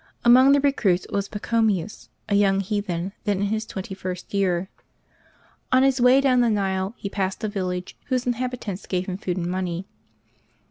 Among the recruits was Pacho mius, a young heathen, then in his twenty first year. On his way down the Nile he passed a village, whose inhabit ants gave him food and money.